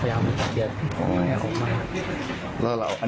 เขาเลยเข้าไปห้ามเข้ามา